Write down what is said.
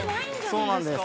◆そうなんです。